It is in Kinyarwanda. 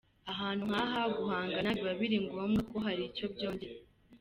Ahantu nk’aha guhangana biba biri ngombwa kuko hari icyo byongera.